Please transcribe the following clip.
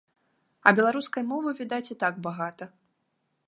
А беларускай мовы, відаць, і так багата.